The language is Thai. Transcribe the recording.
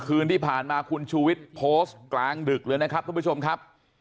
คืนที่ผ่านมาคุณชูวิทย์โพสต์กลางดึกเลยนะครับทุกผู้ชมครับ